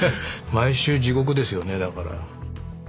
毎週地獄ですよねだから。